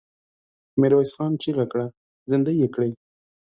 ميرويس خان چيغه کړه! زندۍ يې کړئ!